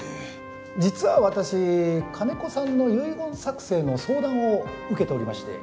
実は私金子さんの遺言作成の相談を受けておりまして。